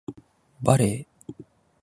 バレー